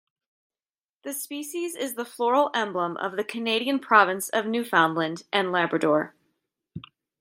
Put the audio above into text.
The species is the floral emblem of the Canadian province of Newfoundland and Labrador.